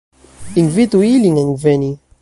Invitu ilin enveni!